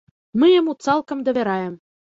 Мы яму цалкам давяраем.